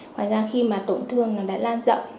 ngoài ra khi mà tổn thương nó đã lan rộng